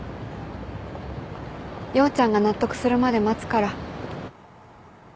陽ちゃんが納得するまで待つから。